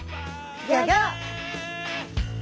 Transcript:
ギョギョッ。